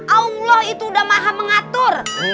allah itu udah maha mengatur